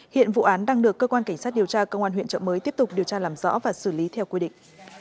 hiện vụ án đang được cơ quan cảnh sát điều tra công an huyện trợ mới tiếp tục điều tra làm rõ và xử lý theo quy định